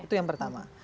itu yang pertama